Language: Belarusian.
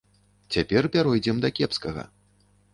Цяпер пяройдзем да кепскага.